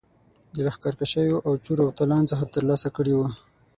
د لښکرکښیو او چور او تالان څخه ترلاسه کړي وه.